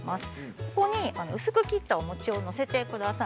ここに、薄く切ったお餅をのせてください。